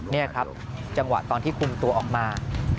นี่ครับจังหวะตอนที่คุมตัวออกมา